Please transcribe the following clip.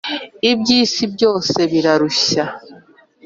iby’isi byose birarushya